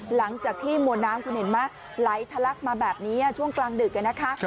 หลังจากที่มวลน้ำคุณเห็นไหมไหลทะลักมาแบบนี้ช่วงกลางดึกนะคะ